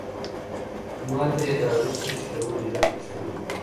ما ترې د اړیکو شلولو علت پوښتنه وکړه.